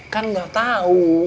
kan gak tahu